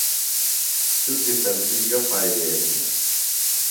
شُکیۡ سبزی گہ فائدے ہِنہ؟